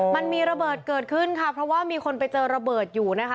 มันมีระเบิดเกิดขึ้นค่ะเพราะว่ามีคนไปเจอระเบิดอยู่นะคะ